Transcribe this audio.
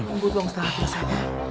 lembut bang ustad